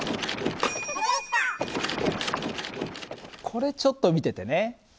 これちょっと見ててね。